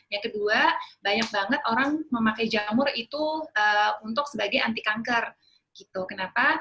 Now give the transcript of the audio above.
yang kedua banyak banget orang memakai jamur itu untuk sebagai anti kanker gitu kenapa